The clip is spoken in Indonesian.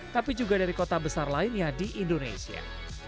tapi juga dari kota besar lainnya di indonesia